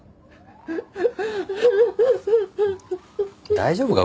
大丈夫か？